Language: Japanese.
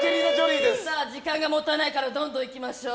時間がもったいないからどんどん行きましょう。